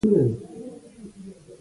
دا زخم وګوره.